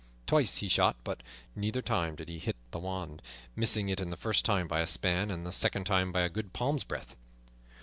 Twice he shot, but neither time did he hit the wand, missing it the first time by a span and the second time by a good palm's breadth.